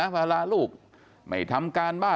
เวลาลูกไม่ทำการบ้าน